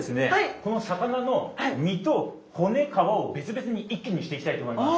この魚の身と骨皮を別々に一気にしていきたいと思います。